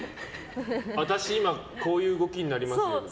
私、今こういう動きになりますよって？